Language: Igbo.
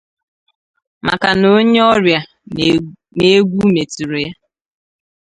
maka na onye ọrịa nụ egwu metụrụ ya